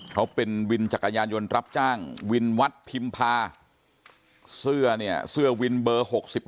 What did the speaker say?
เขาเป็นวินจักรยานยนต์รับจ้างวินวัดพิมพาเสื้อเนี่ยเสื้อวินเบอร์๖๑